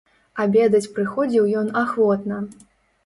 Абедаць прыходзіў ён ахвотна.